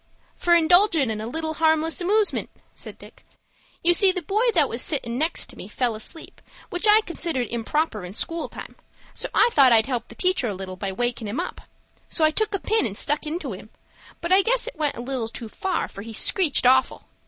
"For indulgin' in a little harmless amoosement," said Dick. "You see the boy that was sittin' next to me fell asleep, which I considered improper in school time; so I thought I'd help the teacher a little by wakin' him up. So I took a pin and stuck into him; but I guess it went a little too far, for he screeched awful.